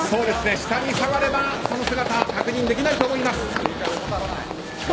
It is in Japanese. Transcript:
下に下がれば姿は確認できないと思います。